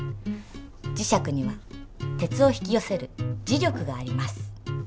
磁石には鉄を引きよせる磁力があります。